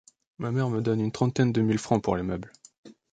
Ma mère me donne une trentaine de mille francs pour les meubles.